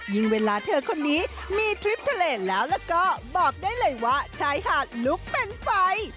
เวลาเธอคนนี้มีทริปทะเลแล้วแล้วก็บอกได้เลยว่าชายหาดลุกเป็นไฟ